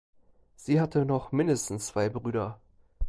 Sie hatte noch mindestens zwei Brüder.